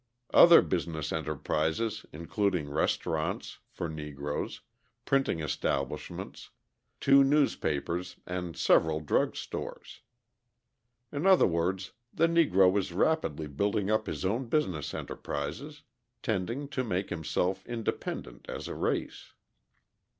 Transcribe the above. Other business enterprises include restaurants (for Negroes), printing establishments, two newspapers, and several drug stores. In other words, the Negro is rapidly building up his own business enterprises, tending to make himself independent as a race.